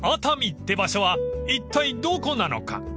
って場所はいったいどこなのか？］